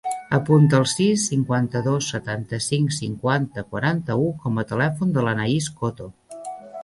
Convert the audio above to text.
Apunta el sis, cinquanta-dos, setanta-cinc, cinquanta, quaranta-u com a telèfon de l'Anaïs Coto.